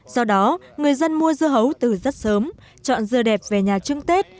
do đó người dân mua dưa hấu từ rất sớm chọn dưa đẹp về nhà trưng tết